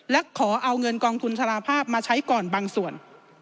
และขอเอาเงินกองทุนสารภาพมาใช้ก่อนบางส่วน